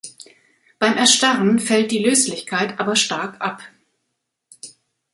Beim Erstarren fällt die Löslichkeit aber stark ab.